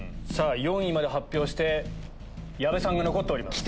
４位まで発表して矢部さんが残っております。